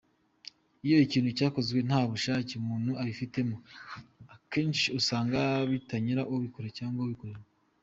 Iyo ikintu gikozwe nta bushake umuntu abifitimo, akenshi usanga bitanyura ubikora cyangwa ubikorerwa.